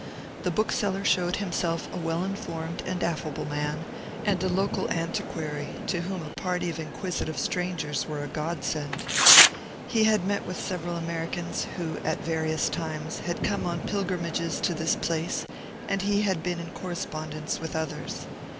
The bookseller showed himself a well informed and affable man, and a local antiquary, to whom a party of inquisitive strangers were a godsend. He had met with several Americans, who, at various times, had come on pilgrimages to this place, and he had been in correspondence with others.